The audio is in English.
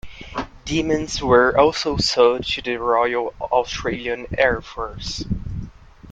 Demons were also sold to the Royal Australian Air Force.